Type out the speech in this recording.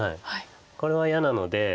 これは嫌なので。